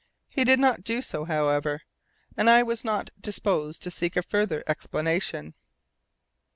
He did not do so, however, and I was not disposed to seek a further explanation.